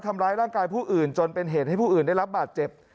ทำร้ายร่างกายผู้อื่นจนเป็นเหตุให้ผู้อื่นได้รับบาดเจ็บ